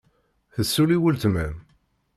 Tessulli weltma-m?